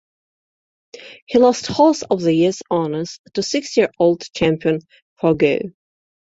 He lost Horse of the Year honors to six-year-old champion Forego.